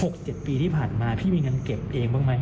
เจ็ดปีที่ผ่านมาพี่มีเงินเก็บเองบ้างไหม